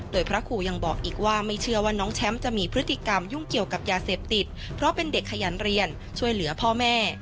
โดยพระครูยังบอกอีกว่าไม่เชื่อว่าน้องแชมป์จะมีพฤติกรรมยุ่งเกี่ยวกับยาเสพติดเพราะเป็นเด็กขยันเรียนช่วยเหลือพ่อแม่